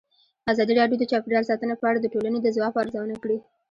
ازادي راډیو د چاپیریال ساتنه په اړه د ټولنې د ځواب ارزونه کړې.